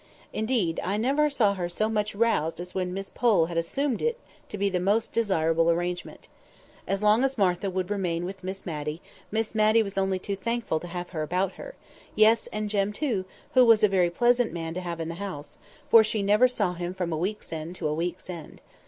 Indeed, I never saw her so much roused as when Miss Pole had assumed it to be the most desirable arrangement. As long as Martha would remain with Miss Matty, Miss Matty was only too thankful to have her about her; yes, and Jem too, who was a very pleasant man to have in the house, for she never saw him from week's end to week's end.